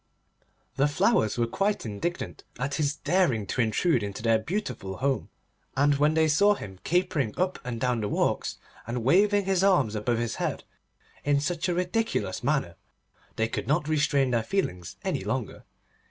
The Flowers were quite indignant at his daring to intrude into their beautiful home, and when they saw him capering up and down the walks, and waving his arms above his head in such a ridiculous manner, they could not restrain their feelings any longer.